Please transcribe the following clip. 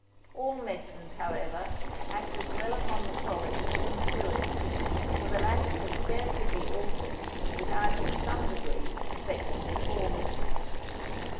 All medicines, however, act as well upon the solids as the fluids; for the latter can scarcely be altered without in some degree affecting the former.